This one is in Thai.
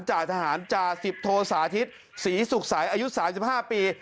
จ่าทหารจาสิบโทสาธิภศรีสุขสายอายุสามสิบห้าปี